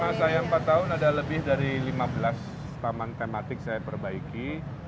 selama saya empat tahun ada lebih dari lima belas taman tematik saya perbaiki